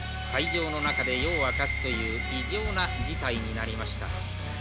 会場の中で夜を明かすという異常な事態になりました」。